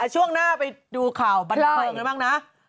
ช่วงหน้าไปดูข่าวบันเผลออย่างนั้นบ้างนะ